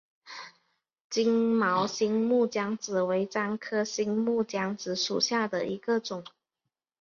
金毛新木姜子为樟科新木姜子属下的一个种。